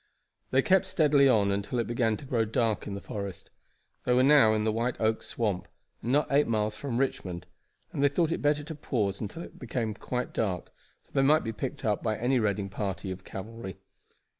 They kept steadily on until it began to grow dark in the forest. They were now in the White Oak Swamp and not eight miles from Richmond, and they thought it better to pause until it became quite dark, for they might be picked up by any raiding party of cavalry.